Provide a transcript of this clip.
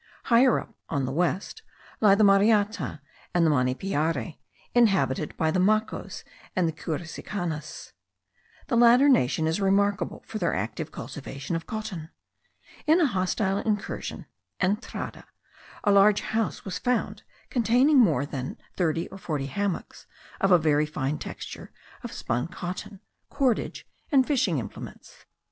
Higher up, on the west, lie the Mariata and the Manipiare, inhabited by the Macos and Curacicanas. The latter nation is remarkable for their active cultivation of cotton. In a hostile incursion (entrada) a large house was found containing more than thirty or forty hammocks of a very fine texture of spun cotton, cordage, and fishing implements.